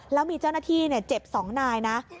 แล้วมีเจ้าหน้าที่เจ็บ๒นายนะ